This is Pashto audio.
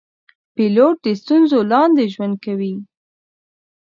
پیلوټ د ستورو لاندې ژوند کوي.